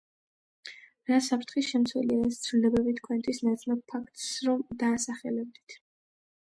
რა საფთხის შემცველია ეს ცვლილებები თქვენთვის ნაცნობ ფაქტს ხომ ვერ დაასახელებდით